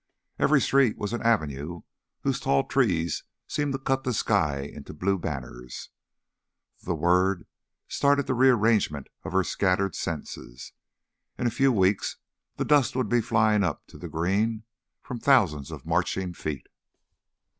Every street was an avenue whose tall trees seemed to cut the sky into blue banners the word started the rearrangement of her scattered senses; in a few weeks the dust would be flying up to the green from thousands of marching feet.